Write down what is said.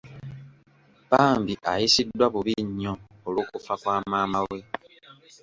Bambi ayisiddwa bubi nnyo olw’okufa kwa maama we.